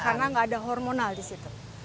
karena tidak ada hormonal di situ